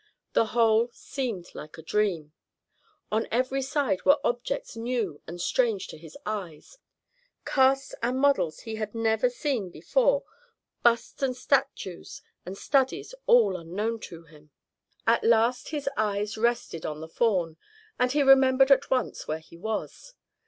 The whole seemed like a dream. On every side were objects new and strange to, his eyes, casts and models he had never seen before busts and statues and studies all unknown to him. At last his eyes rested on the Faun, and he remembered at once where he was.